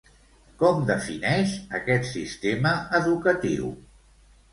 Com defineix aquest sistema educatiu?